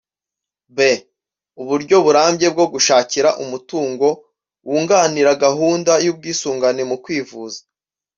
b) Uburyo burambye bwo gushakira umutungo wunganira gahunda y’ubwisungane mu kwivuza